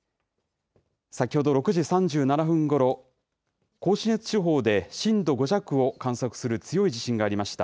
先ほど６時３７分ごろ甲信越地方で震度５弱を観測する強い地震がありました。